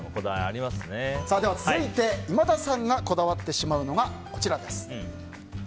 続いて、今田さんがこだわってしまうのがこちらです。